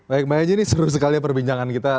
baik mbak eji ini seru sekali perbincangan kita